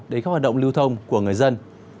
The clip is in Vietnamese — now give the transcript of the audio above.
đến các hoạt động lưu thông của người dân